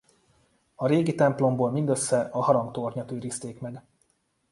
A régi templomból mindössze a harangtornyot őrizték meg.